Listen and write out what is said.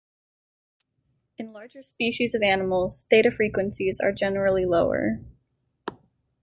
In larger species of animals, theta frequencies are generally lower.